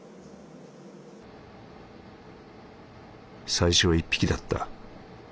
「最初は一匹だった。